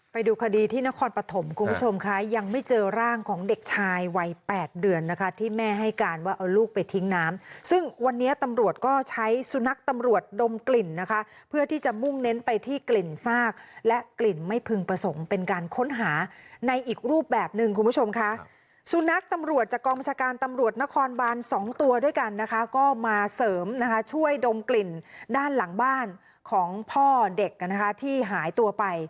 ไปดูคดีที่นครปฐมคุณผู้ชมค่ะยังไม่เจอร่างของเด็กชายวัย๘เดือนนะคะที่แม่ให้การว่าเอาลูกไปทิ้งน้ำซึ่งวันนี้ตำรวจก็ใช้สุนัขตำรวจดมกลิ่นนะคะเพื่อที่จะมุ่งเน้นไปที่กลิ่นซากและกลิ่นไม่พึงประสงค์เป็นการค้นหาในอีกรูปแบบหนึ่งคุณผู้ชมค่ะสุนัขตำรวจจากกองบัญชาการตำรวจนครบานสองตัวด